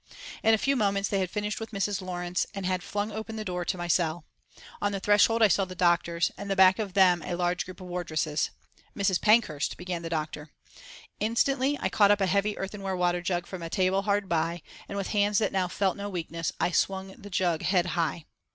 In a few moments they had finished with Mrs. Lawrence and had flung open the door of my cell. On the threshold I saw the doctors, and back of them a large group of wardresses. "Mrs. Pankhurst," began the doctor. Instantly I caught up a heavy earthenware water jug from a table hard by, and with hands that now felt no weakness I swung the jug head high.